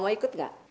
mau ikut nggak